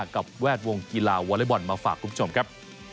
แวดวงกีฬาวอเล็กบอลมาฝากคุณผู้ชมครับ